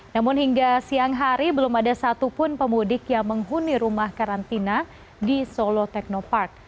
namun hingga siang hari belum ada satu pun pemudik yang menghuni rumah karantina di solo tekno park